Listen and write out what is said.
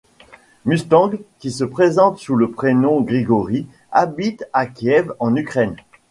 Mustang, qui se présente sous le prénom Grigory, habite à Kiev en Ukraine.